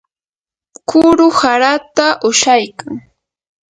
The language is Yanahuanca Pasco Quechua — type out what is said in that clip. kuru harata ushaykan.